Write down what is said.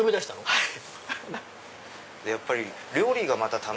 はい。